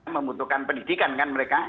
membutuhkan pendidikan kan mereka